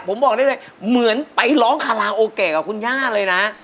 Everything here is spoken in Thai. ผมบอกได้เลยเหมือนไปร้องคาราโอเกะกับคุณย่าเลยนะ